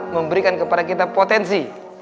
memberikan kepada kita potensi